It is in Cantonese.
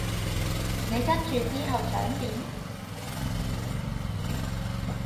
你跟住之後想點？